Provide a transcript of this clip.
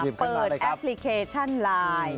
เปิดแอปพลิเคชันไลน์